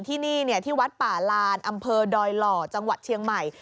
ที่นี่ที่วัดป่าลานอำเภอดอยหล่อจังหวัดเชียงใหม่